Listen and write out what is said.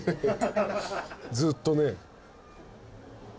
ずっとね。